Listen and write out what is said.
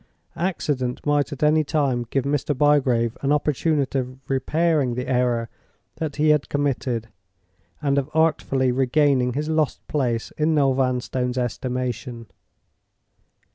Accident might at any time give Mr. Bygrave an opportunity of repairing the error that he had committed, and of artfully regaining his lost place in Noel Vanstone's estimation.